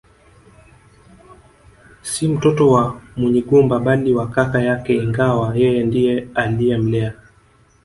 Si mtoto wa Munyigumba bali wa kaka yake ingawa yeye ndiye aliyemlea